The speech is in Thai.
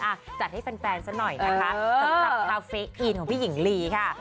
อ่ะจัดให้แฟนซะหน่อยนะคะสำหรับคาเฟคอีนของพี่หญิงลีค่ะ